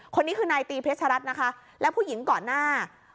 คนนี้คือนายตีเพชรรัฐนะคะและผู้หญิงก่อนหน้า